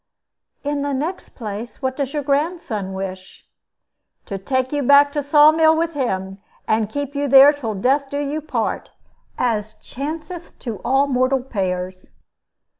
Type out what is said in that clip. "In the next place, what does your grandson wish?" "To take you back to Saw mill with him, and keep you there till death do you part, as chanceth to all mortal pairs."